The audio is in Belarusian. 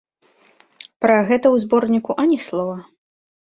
Пра гэта ў зборніку ані слова.